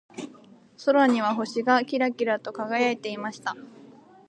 空には星がキラキラと輝いていました。